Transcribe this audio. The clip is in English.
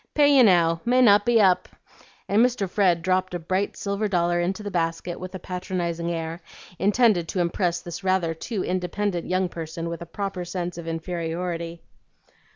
Pay you now, may not be up;" and Mr. Fred dropped a bright silver dollar into the basket with a patronizing air, intended to impress this rather too independent young person with a proper sense of inferiority.